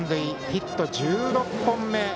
ヒットは１６本目。